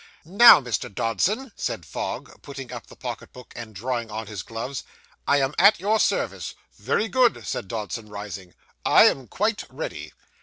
'Now, Mr. Dodson,' said Fogg, putting up the pocket book and drawing on his gloves, 'I am at your service.' 'Very good,' said Dodson, rising; 'I am quite ready.